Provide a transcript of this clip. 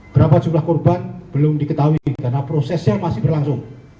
berapa jumlah korban belum diketahui karena prosesnya masih berlangsung